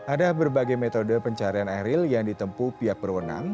ada berbagai metode pencarian eril yang ditempu pihak berwenang